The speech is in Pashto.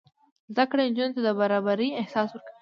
زده کړه نجونو ته د برابرۍ احساس ورکوي.